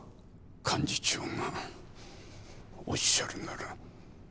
幹事長がおっしゃるなら。